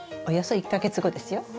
およそ１か月後ですよ。